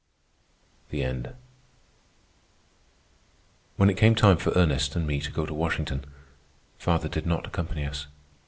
THE END When it came time for Ernest and me to go to Washington, father did not accompany us.